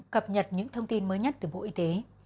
cập nhật những thông tin mới nhất từ bộ y tế